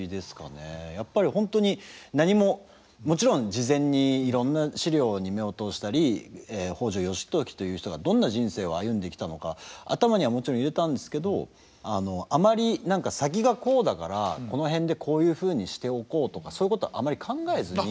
やっぱり本当に何ももちろん事前にいろんな資料に目を通したり北条義時という人がどんな人生を歩んできたのか頭にはもちろん入れたんですけどあのあまり「先がこうだからこの辺でこういうふうにしておこう」とかそういうことあまり考えずに。